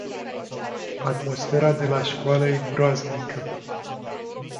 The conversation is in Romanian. Atmosfera de la școală e groaznică.